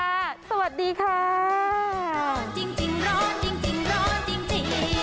น่าจะรู้ว่านี่คือความสุขแบบธรรมชาติ